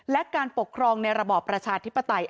และการปกครองในระบอบประชาธิปไตย